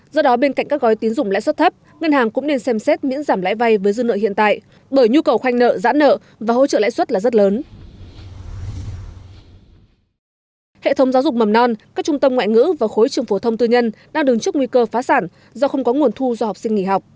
hệ thống giáo dục mầm non các trung tâm ngoại ngữ và khối trường phổ thông tư nhân đang đứng trước nguy cơ phá sản do không có nguồn thu do học sinh nghỉ học